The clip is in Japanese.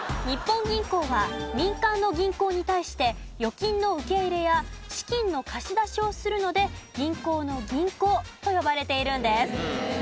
日本銀行は民間の銀行に対して預金の受け入れや資金の貸し出しをするので銀行の銀行と呼ばれているんです。